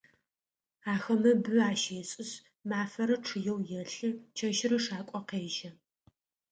Ахэмэ бы ащешӏышъ, мафэрэ чъыеу елъы, чэщырэ шакӏо къежьэ.